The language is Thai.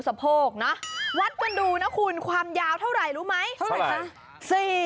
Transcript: สะโพกเนอะวัดกันดูนะคุณความยาวเท่าไหร่รู้ไหมเท่าไหร่คะ